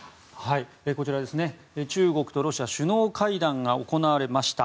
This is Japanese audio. こちら、中国とロシア首脳会談が行われました。